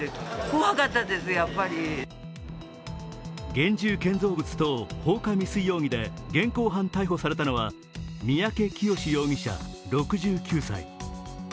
現住建造物等放火未遂容疑で現行犯逮捕されたのは三宅潔容疑者６９歳。